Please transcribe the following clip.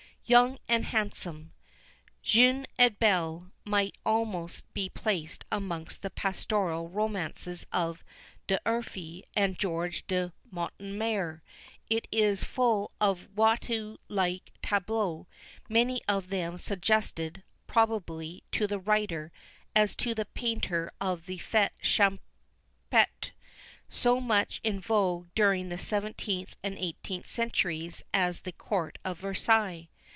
YOUNG AND HANDSOME. Jeune et Belle might almost be placed amongst the pastoral romances of D'Urfey and George de Montemayor. It is full of Watteau like tableaux, many of them suggested, probably, to the writer as to the painter by the Fêtes Champêtre so much in vogue during the seventeenth and eighteenth centuries at the Court of Versailles.